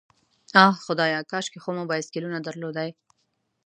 آه خدایه، کاشکې خو مو بایسکلونه درلودای.